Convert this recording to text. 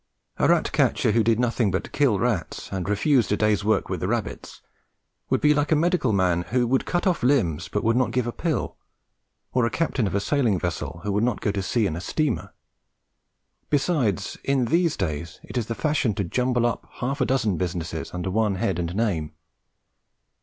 A rat catcher who did nothing but kill rats and refused a day's work with the rabbits would be like a medical man who would cut off limbs but would not give a pill, or a captain of a sailing vessel who would not go to sea in a steamer; besides in these days it is the fashion to jumble up half a dozen businesses under one head and name.